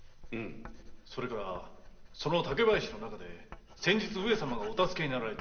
それからその竹林の中で先日上様がお助けになられた若侍を見かけました。